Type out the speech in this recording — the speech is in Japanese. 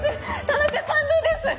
田中感動です。